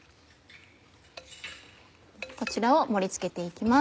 こちらを盛り付けて行きます。